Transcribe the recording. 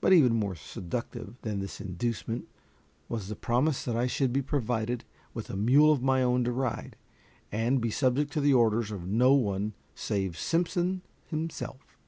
But even more seductive than this inducement was the promise that I should be provided with a mule of my own to ride, and be subject to the orders of no one save Simpson himself.